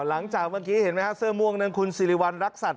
หลังจากเมื่อกี้เห็นไหมฮะเสื้อม่วงนั้นคุณสิริวัณรักษัตริย